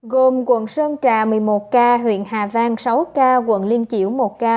gồm quận sơn trà một mươi một ca huyện hà vang sáu ca quận liên chiểu một ca